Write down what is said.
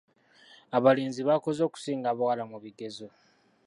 Abalenzi baakoze okusinga abawala mu bigezo.